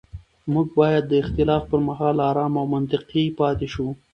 موږ باید د اختلاف پر مهال ارام او منطقي پاتې شو